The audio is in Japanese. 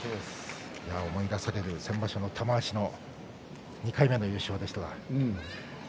思い出される先場所は玉鷲の２回目の優勝でしたが。